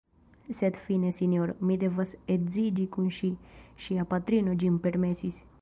Sed fine, sinjoro, mi devas edziĝi kun ŝi; ŝia patrino ĝin permesis.